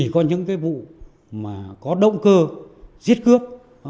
công an tỉnh đắk nông cung cấp